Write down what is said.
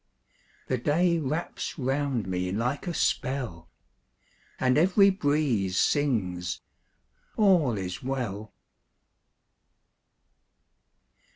The day wraps round me like a spell, And every breeze sings, "All is well."